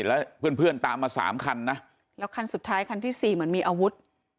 แล้วเพื่อนเพื่อนตามมาสามคันนะแล้วคันสุดท้ายคันที่สี่เหมือนมีอาวุธ